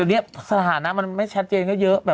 ในสถานะมันไม่แชทเจนก็เยอะ